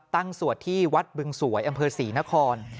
สวดที่วัดบึงสวยอำเภอศรีนคร